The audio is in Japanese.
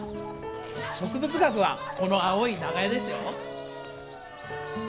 植物学はこの青い長屋ですよ。